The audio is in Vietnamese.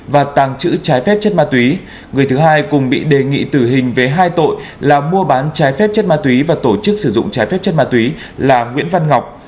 và tàng trữ trái phép chất ma túy người thứ hai cùng bị đề nghị tử hình về hai tội là mua bán trái phép chất ma túy và tổ chức sử dụng trái phép chất ma túy là nguyễn văn ngọc